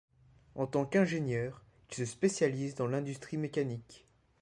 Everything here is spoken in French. En tant qu’ingénieur il se spécialise dans l’industrie mécanique.